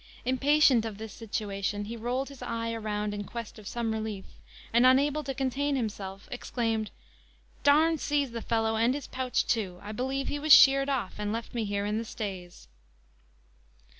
Impatient of this situation, he rolled his eye around in quest of some relief, and, unable to contain himself, exclaimed, "D n seize the fellow and his pouch too! I believe he has sheered off, and left me here in the stays."